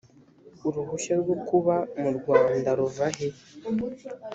uruhushya rwo kuba mu rwanda ruva he